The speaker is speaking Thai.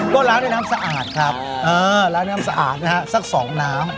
ก็ล้างด้วยน้ำสะอาดครับล้างน้ำสะอาดนะฮะสักสองน้ำ